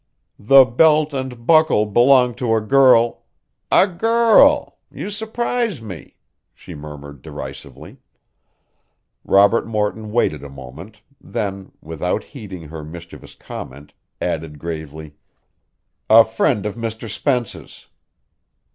"The belt and buckle belong to a girl " "A girl! You surprise me," she murmured derisively. Robert Morton waited a moment, then, without heeding her mischievous comment, added gravely: "A friend of Mr. Spence's."